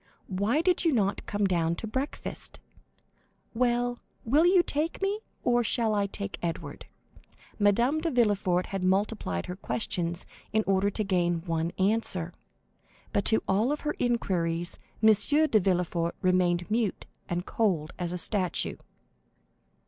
Why did you not come down to breakfast? Well, will you take me, or shall I take Edward?" Madame de Villefort had multiplied her questions in order to gain one answer, but to all her inquiries M. de Villefort remained mute and cold as a statue.